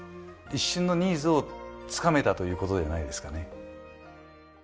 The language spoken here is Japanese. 一瞬のニーズをつかめたということじゃないですかね。